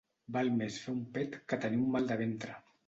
Val més fer un pet que tenir un mal de ventre.